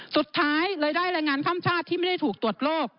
สุดท้ายเลยได้แรงงานข้ามชาติที่ไม่ได้ถูกตรวจโรค